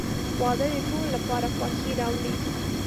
• واده د ټولو لپاره خوښي راوړي.